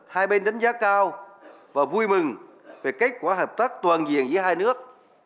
hai bên đánh giá cao và vui mừng về kết quả hợp tác toàn diện giữa hai nước